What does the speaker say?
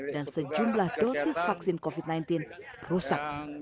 dan sejumlah dosis vaksin covid sembilan belas rusak